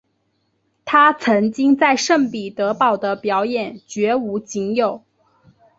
她曾经在圣彼得堡的表演绝无仅有。